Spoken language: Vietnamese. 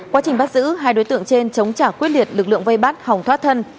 quá trình bắt giữ hai đối tượng trên chống trả quyết liệt lực lượng vây bắt hòng thoát thân